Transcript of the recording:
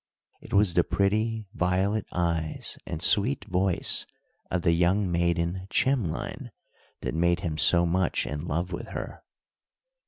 It was the pretty, violet eyes and sweet voice of the young maiden Chimlein that made him so much in love with her.